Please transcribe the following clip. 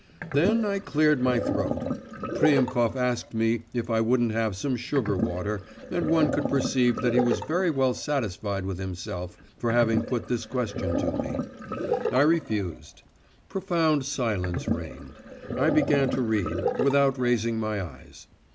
Then I cleared my throat.… Priemkov asked me if I wouldn't have some sugar water, and one could perceive that he was very well satisfied with himself for having put this question to me. I refused. Profound silence reigned. I began to read, without raising my eyes.